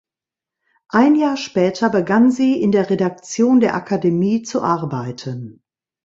Ein Jahr später begann sie in der Redaktion der Akademie zu arbeiten.